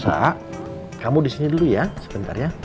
sa kamu disini dulu ya sebentar ya